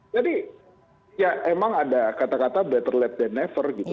jadi ya emang ada kata kata better late than never gitu